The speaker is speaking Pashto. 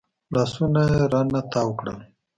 لاسونه يې رانه تاو کړل.